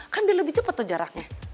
kan dia lebih cepat tuh jaraknya